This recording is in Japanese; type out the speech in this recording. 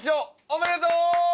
おめでとうー！